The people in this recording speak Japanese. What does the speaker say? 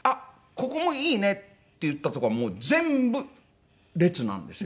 ここもいいね」って言ったとこはもう全部列なんですよ。